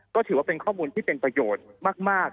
ก็ถือว่าเป็นข้อมูลที่เป็นประโยชน์มาก